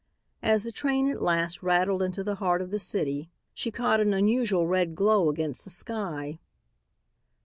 As the train at last rattled into the heart of the city, she caught an unusual red glow against the sky.